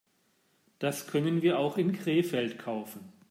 Das können wir auch in Krefeld kaufen